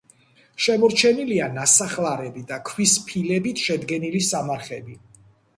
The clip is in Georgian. შემორჩენილია ნასახლარები და ქვის ფილებით შედგენილი სამარხები.